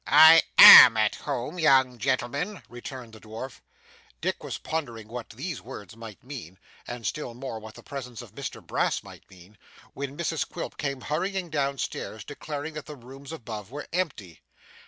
'I AM at home, young gentleman,' returned the dwarf. Dick was pondering what these words might mean, and still more what the presence of Mr Brass might mean, when Mrs Quilp came hurrying down stairs, declaring that the rooms above were empty.